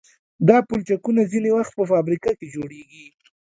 دا پلچکونه ځینې وخت په فابریکه کې جوړیږي